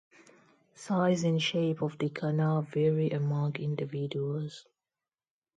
Size and shape of the canal vary among individuals.